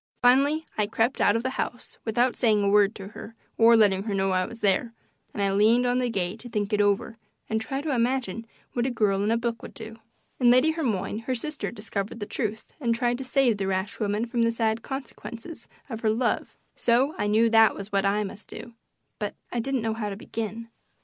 Finally I crept out of the house without saying a word to her or letting her know I was there, and I leaned on the gate to think it over and try to imagine what a girl in a book would do. In Lady Hermione her sister discovered the truth and tried to save the rash woman from the sad consequences of her love, so I knew that was what I must do, but I didn't know how to begin.